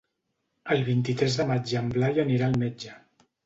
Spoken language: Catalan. El vint-i-tres de maig en Blai anirà al metge.